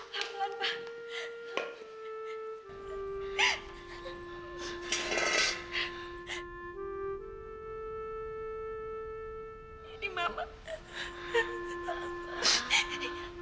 kamu bicara apa sayyid